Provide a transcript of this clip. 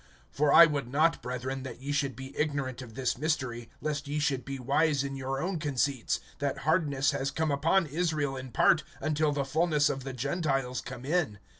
(25)For I would not, brethren, that ye should be ignorant of this mystery, lest ye should be wise in your own conceits, that hardness has come upon Israel in part, until the fullness of the Gentiles come in.